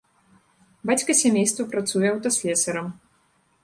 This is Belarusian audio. Бацька сямейства працуе аўтаслесарам.